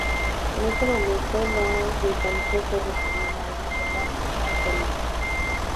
En ese momento, los británicos se referían a ella como Isla Felicia.